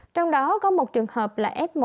trong đó có một trường hợp là f một